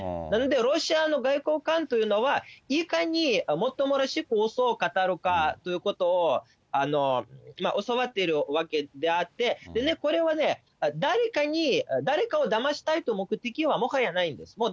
なのでロシアの外交官というのは、いかにもっともらしくうそをかたるかということを、教わっているわけであって、これはね、誰かをだましたいという目的は、もはやないんです。